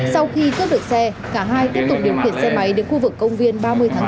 sau khi cướp được xe cả hai tiếp tục điều khiển xe máy đến khu vực công viên ba mươi tháng bốn